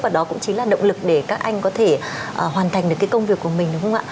và đó cũng chính là động lực để các anh có thể hoàn thành được cái công việc của mình đúng không ạ